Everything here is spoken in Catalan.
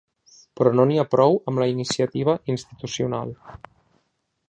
Però no n’hi ha prou amb la iniciativa institucional.